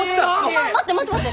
ま待って待って待って！